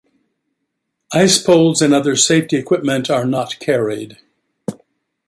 Ice-poles and other safety equipment are not carried.